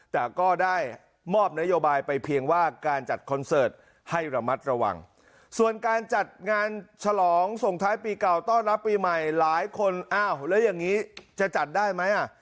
แต่ก็ได้มอบนโยบายไปเพียงว่าการจัดคอนเสิร์ตให้ระมัดระวังส่วนการจัดงานฉลองส่งท้ายปีเก่าต้อนรับปีใหม่หลายคนอ้าวแล้วอย่างนี้จะจัดได้ไหมอ่ะ